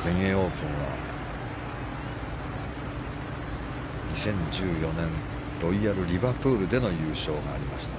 全英オープンは２０１４年ロイヤルリバプールでの優勝がありました。